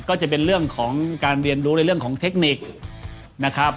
ก็จะเป็นเรื่องของการเรียนรู้ในเรื่องของเทคนิคนะครับ